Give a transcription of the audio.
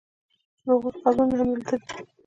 د هغوی قبرونه همدلته دي.